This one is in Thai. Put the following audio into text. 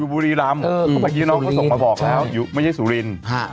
เพราะเมื่อกี้น้องเขาส่งมาบอกครับแล้วอยู่ไม่ใช่สุรินทร์